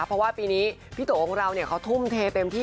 เพราะว่าปีนี้พี่โตของเราเขาทุ่มเทเต็มที่